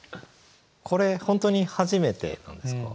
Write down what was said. これ本当に初めてなんですか？